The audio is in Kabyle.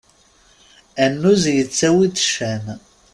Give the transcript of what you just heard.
Annuz yettawi-d ccan.